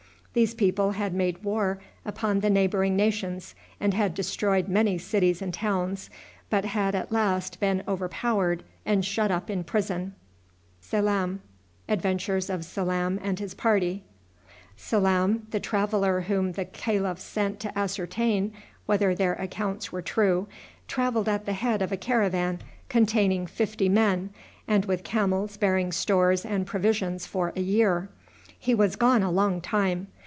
These people had made war upon the neighboring nations, and had destroyed many cities and towns, but had at last been overpowered and shut up in prison. Salam, the traveler whom the calif sent to ascertain whether their accounts were true, traveled at the head of a caravan containing fifty men, and with camels bearing stores and provisions for a year. He was gone a long time.